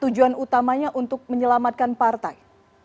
tujuan utamanya untuk menyelamatkan partai